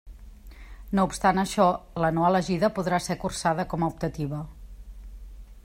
No obstant això, la no elegida podrà ser cursada com a optativa.